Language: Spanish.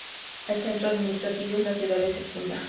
El centro administrativo es la ciudad de Secunda.